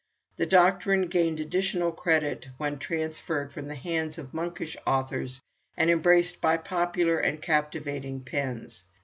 The doctrine gained additional credit when transferred from the hands of monkish authors and embraced by popular and captivating pens.